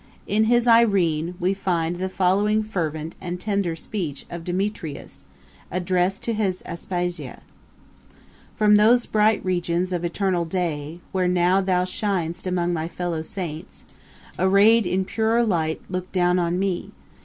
In his Irene, we find the following fervent and tender speech of Demetrius, addressed to his Aspasia: 'From those bright regions of eternal day, Where now thou shin'st amongst thy fellow saints, Array'd in purer light, look down on me!